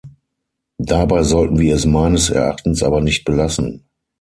Dabei sollten wir es meines Erachtens aber nicht belassen.